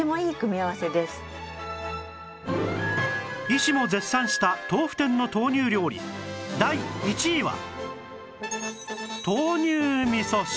医師も絶賛した豆腐店の豆乳料理第１位は